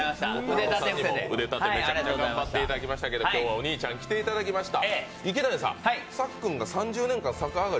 弟さんにも腕立てめちゃめちゃ頑張っていただきましたが今日はお兄ちゃんに来ていただきました。